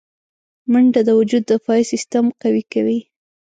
منډه د وجود دفاعي سیستم قوي کوي